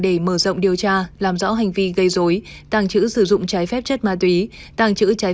để mở rộng điều tra làm rõ hành vi gây dối tàng trữ sử dụng trái phép chất ma túy tàng trữ trái